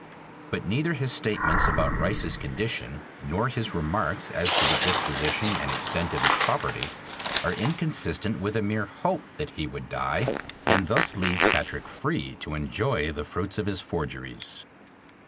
But neither his statements about Rice's condition nor his remarks as to the disposition and extent of his property are inconsistent with a mere hope that he would die and thus leave Patrick free to enjoy the fruits of his forgeries.